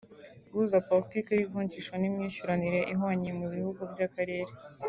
guhuza politiki y’ivunjisha n’imyishyuranire ihwanye mu bihugu by’akarere